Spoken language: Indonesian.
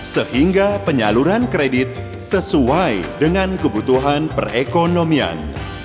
sehingga penyaluran kredit sesuai dengan kebutuhan perekonomian